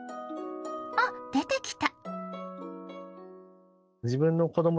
あ、出てきた！